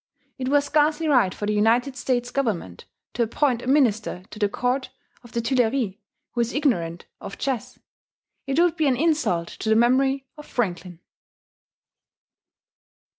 It were scarcely right for the United States government to appoint a minister to the Court of the Tuileries who is ignorant of chess; it would be an insult to the memory of Franklin.